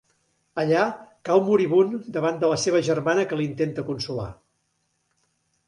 Allà cau moribund davant de la seva germana que l'intenta consolar.